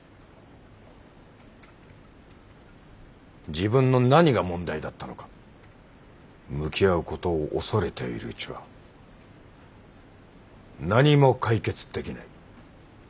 自分の何が問題だったのか向き合うことを恐れているうちは何も解決できない。